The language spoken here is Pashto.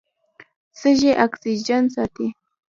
سږي اکسیجن ساتي.